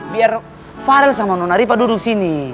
biar farel sama nona riva duduk sini